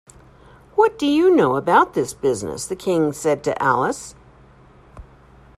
‘What do you know about this business?’ the King said to Alice.